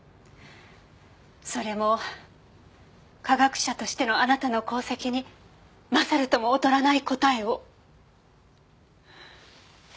それも科学者としてのあなたの功績に勝るとも劣らない答えを。